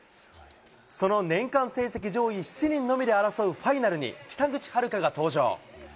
その年間成績上位７人のみで争うファイナルに、北口榛花が登場。